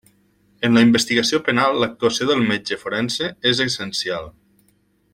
En la investigació penal l'actuació del metge forense és essencial.